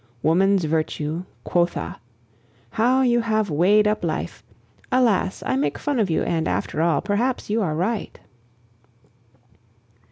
Woman's virtue, quotha! How you have weighed up life! Alas! I make fun of you, and, after all, perhaps you are right.